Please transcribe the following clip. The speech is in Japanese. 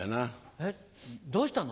えっどうしたの？